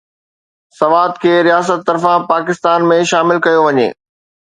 سوات کي رياست طرفان پاڪستان ۾ شامل ڪيو وڃي